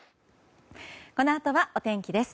このあとはお天気です。